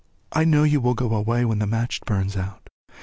I know you will go away when the match burns out.